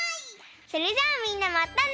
それじゃあみんなまたね！